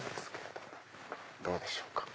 どうでしょうか？